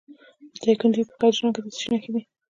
د دایکنډي په کجران کې د څه شي نښې دي؟